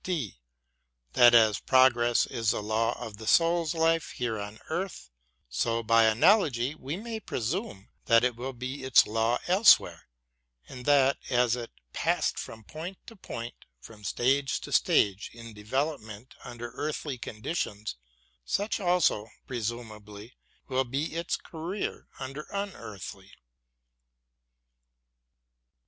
(d) That as progress is the law of the soul's life here on earth, so by analogy we may presume that it will be its law elsewhere, and that, as it passed from point to point, from stage to stage, in development under earthly conditions, such also, presumably, will be its career under unearthly.